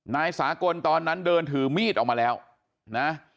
นายสากลตอนนั้นเดินถือมีดออกมาแล้วนะ